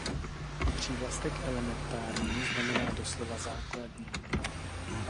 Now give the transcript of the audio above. Přívlastek "elementární" znamená doslova "základní".